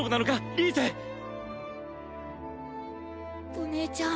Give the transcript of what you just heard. お姉ちゃん。